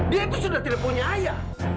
dia itu sudah tidak punya ayah